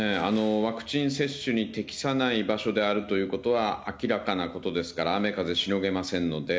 ワクチン接種に適さない場所であるということは、明らかなことですから、雨風しのげませんので。